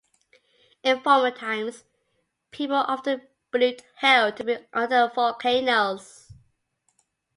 In former times, people often believed hell to be under volcanoes.